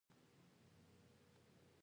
دوی د عربو د لښکرو مخه ونیوله